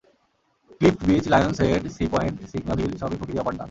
ক্লিফট্ Beach, Lion's Head, Sea Point, Signal Hill সবই প্রকৃতির অপার দান।